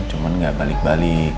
cuma gak balik balik